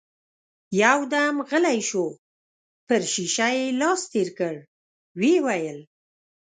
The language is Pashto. يودم غلی شو، پر شيشه يې لاس تېر کړ، ويې ويل: